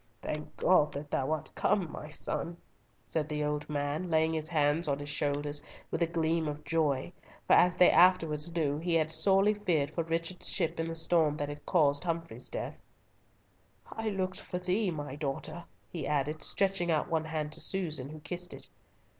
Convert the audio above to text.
"Thank God that thou art come, my son," said the old man, laying his hands on his shoulders, with a gleam of joy, for as they afterwards knew, he had sorely feared for Richard's ship in the storm that had caused Humfrey's death. "I looked for thee, my daughter," he added, stretching out one hand to Susan, who kissed it.